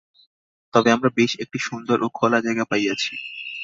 তবে আমরা বেশ একটি সুন্দর ও খোলা জায়গা পাইয়াছি।